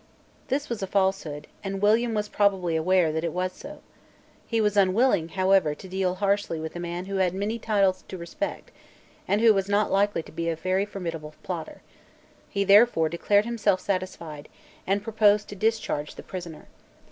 This was a falsehood; and William was probably aware that it was so. He was unwilling however to deal harshly with a man who had many titles to respect, and who was not likely to be a very formidable plotter. He therefore declared himself satisfied, and proposed to discharge the prisoner.